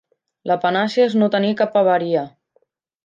La panacea és no tenir cap avaria.